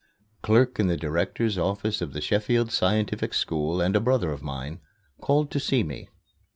clerk in the Director's Office of the Sheffield Scientific School and a brother of mine, called to see me.